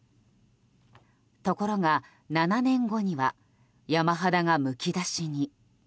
ところが、７年後には山肌がむき出しに。